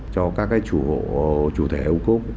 cho các chủ thể ô cốt